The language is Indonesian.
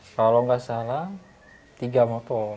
kalau nggak salah tiga motor